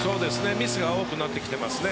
ミスが多くなってきていますね。